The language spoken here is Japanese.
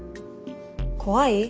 怖い？